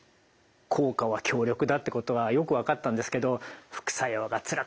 効果は強力だってことはよく分かったんですけど副作用がつらかったっていうお話ありました。